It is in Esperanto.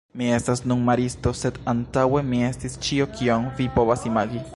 Mi estas nun maristo, sed antaŭe mi estis ĉio, kion vi povas imagi.